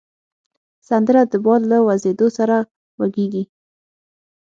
سندره د باد له وزېدو سره وږیږي